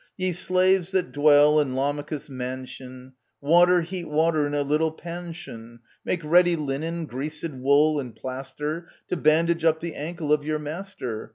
Ye slaves that dwell in Lamachus's mansion !* Water ! heat water in a little panshin ! Make ready linen, greased wool, and plaster To bandage up the ankle of your master